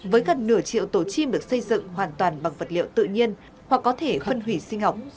với gần nửa triệu tổ chim được xây dựng hoàn toàn bằng vật liệu tự nhiên hoặc có thể phân hủy sinh học